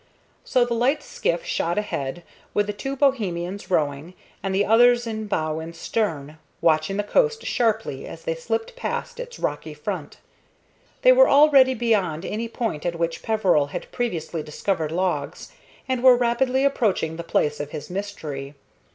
So the light skiff shot ahead, with the two Bohemians rowing, and the others in bow and stern, watching the coast sharply as they slipped past its rocky front. They were already beyond any point at which Peveril had previously discovered logs, and were rapidly approaching the place of his mystery.